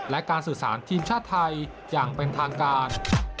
และการสื่อสารทีมชาติไทยอย่างเป็นทางการ